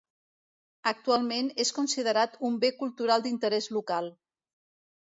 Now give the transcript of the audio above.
Actualment és considerat un Bé Cultural d'Interès Local.